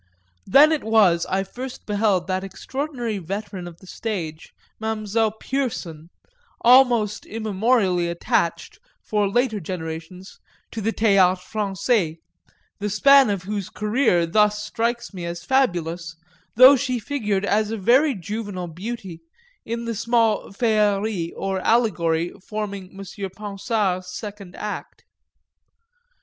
Then it was I first beheld that extraordinary veteran of the stage, Mademoiselle Pierson, almost immemorially attached, for later generations, to the Théâtre Français, the span of whose career thus strikes me as fabulous, though she figured as a very juvenile beauty in the small féerie or allegory forming M. Ponsard's second act.